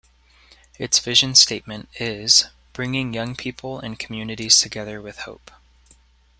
Its vision statement is "Bringing young people and communities together with hope".